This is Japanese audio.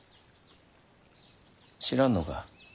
知らぬのか。